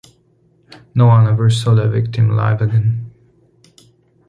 No one ever saw the victim alive again.